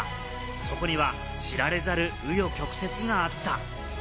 そこには知られざる、紆余曲折があった。